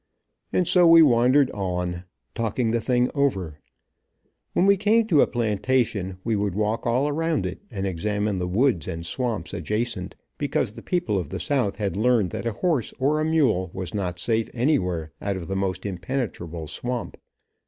And so we wandered on, talking the thing over. When we came to a plantation we would walk all around it, and examine the woods and swamps adjacent, because the people of the South had learned that a horse or a mule was not safe anywhere out of the most impenetrable swamp.